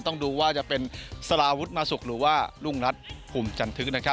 ต้องดูว่าจะเป็นสลาวุฒิมสุขหรือว่ารุงรัฐพุ่มจันทึก